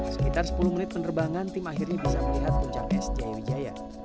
sekitar sepuluh menit penerbangan tim akhirnya bisa melihat puncak es jaya wijaya